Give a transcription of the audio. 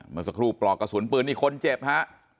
เมื่อสักครู่ปลอกกระสุนปืนนี่คนเจ็บฮะ